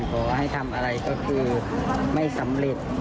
ขอให้ทำอะไรก็คือไม่สำเร็จ